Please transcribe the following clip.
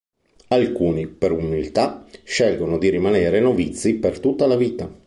Alcuni, per umiltà, scelgono di rimanere novizi per tutta la vita.